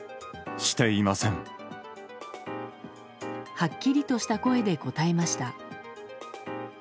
はっきりとした声で答えました。